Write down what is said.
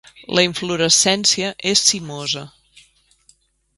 La inflorescència és cimosa.